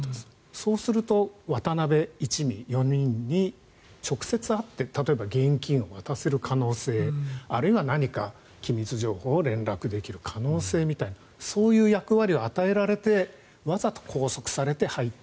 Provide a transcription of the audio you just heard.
そうすると渡邉一味４人に直接会って例えば、現金を渡せる可能性あるいは何か機密情報を連絡できる可能性みたいなそういう役割を与えられてわざと拘束されて入った。